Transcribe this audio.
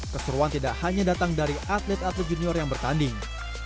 keseruan tidak hanya datang dari atlet atlet junior yang bertanding